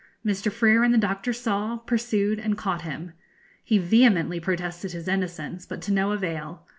Mr. Freer and the Doctor saw, pursued, and caught him. He vehemently protested his innocence, but to no avail.